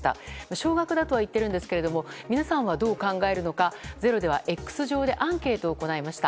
少額だとは言ってるんですが皆さんはどう考えるのか「ｚｅｒｏ」では「Ｘ」上でアンケートを行いました。